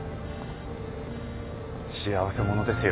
幸せ者ですよ。